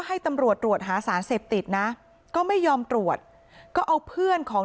ให้ตำรวจตรวจหาสารเสพติดนะก็ไม่ยอมตรวจก็เอาเพื่อนของ